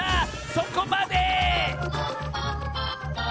そこまで！